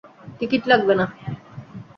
Ticket লাগবে না।